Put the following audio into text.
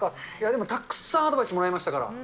でもたくさんアドバイスもらいましたから。